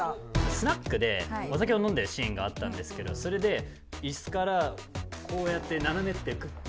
スナックでお酒を飲んでるシーンがあったんですけどそれでイスからこうやって斜めってってふうに言われて。